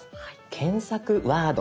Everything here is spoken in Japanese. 検索ワード